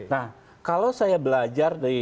nah kalau saya belajar